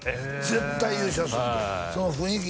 「絶対優勝する」ってその雰囲気